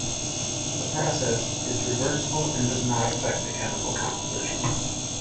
The process is reversible and does not affect the chemical composition.